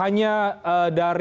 ini juga dengan g dua